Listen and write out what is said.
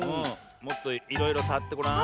もっといろいろさわってごらん。